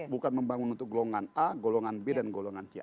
bukan membangun untuk golongan a golongan b dan golongan c